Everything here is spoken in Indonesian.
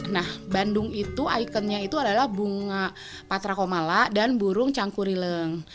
nah bandung itu ikonnya itu adalah bunga patra komala dan burung cangkurileng